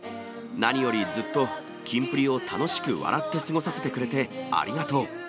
何より、ずっとキンプリを楽しく笑って過ごさせてくれてありがとう。